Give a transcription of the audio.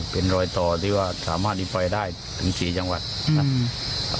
เป็นรอยต่อที่ว่าสามารถอินไฟได้ถึงสี่จังหวัดอืมอืม